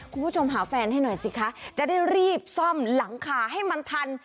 คุณผู้ชมหาแฟนให้หน่อยสิคะจะได้รีบซ่อมหลังคาให้มันทัน